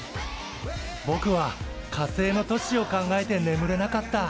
ぼくは火星の都市を考えてねむれなかった。